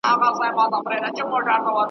چي رباب چي آدم خان وي درخانۍ به یې داستان وي `